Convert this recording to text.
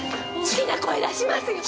大きな声出しますよ。